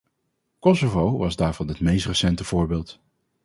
Kosovo was daarvan het meest recente voorbeeld.